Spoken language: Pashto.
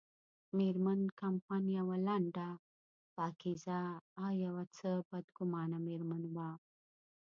مېرمن کمپن یوه لنډه، پاکیزه او یو څه بدګمانه مېرمن وه.